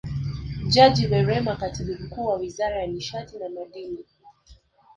Jaji Werema Katibu Mkuu wa Wizara ya Nishati na Madini